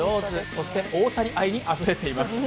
そして大谷愛にあふれています。